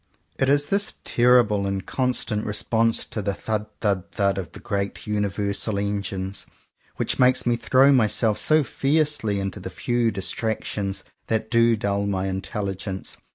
It is this terrible and constant response to the "thud thud thud "of the great universal Engines, which makes me throw myself so fiercely into the few distractions that do dull my intelligence.